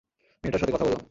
মেয়েটার সাথে কথা বললাম।